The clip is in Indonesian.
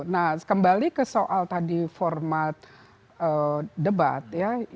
nah kembali ke soal tadi format debat ya